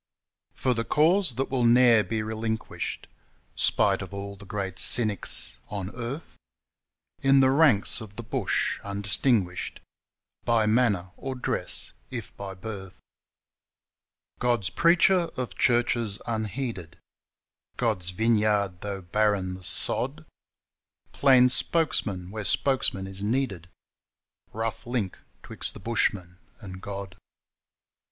For the cause that will ne'er be relinquished Spite of all the great cynics on earth In the ranks of the bush undistinguished By manner or dress if by birth God's preacher, of churches unheeded God's vineyard, though barren the sod Plain spokesman where spokesman is needed Rough link 'twixt the bushman and God.